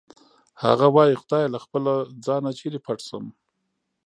هغه وایی خدایه له خپله ځانه چېرې پټ شم